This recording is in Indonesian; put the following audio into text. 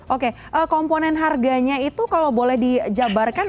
oke komponen harganya itu kalau boleh dijabarkan